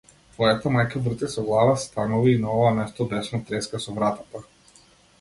Твојата мајка врти со глава станува и на ова место бесно треска со вратата.